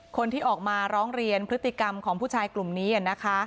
คนที่ออกมาร้องเรียนพฤติกรรมของผู้ชายกลุ่มนี้นะคะ